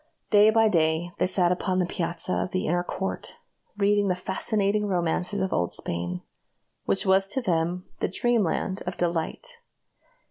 Day by day they sat upon the piazza of the inner court, reading the fascinating romances of old Spain, which was to them the dreamland of delight.